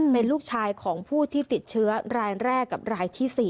เป็นลูกชายของผู้ที่ติดเชื้อรายแรกกับรายที่๔